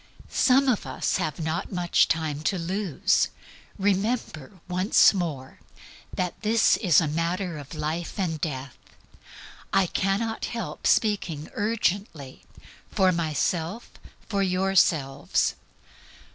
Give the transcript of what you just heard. Some of us have not much time to lose. Remember, once more, that this is a matter of life or death. I cannot help speaking urgently, for myself, for yourselves.